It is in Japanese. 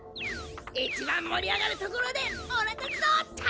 一番もり上がるところでおらたちのターン！